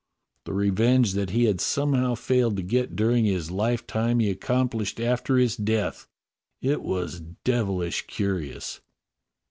The revenge that he had somehow failed to get during his lifetime he accomplished after his death. It was devil ish curious."